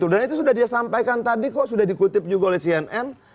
dan itu sudah dia sampaikan tadi kok sudah dikutip juga oleh cnn